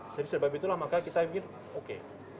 jadi sebab itulah maka kita mikir oke